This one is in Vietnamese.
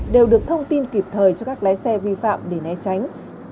đều được thông tin kịp thời cho các lái xe vi phạm để né tránh